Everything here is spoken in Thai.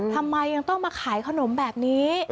ทำไมยังต้องมาขายขนมแบบนี้